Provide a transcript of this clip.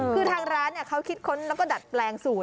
คือทางร้านน่ะเขาคิดค้นและก็ดัดแบบเปลี่ยนสูตร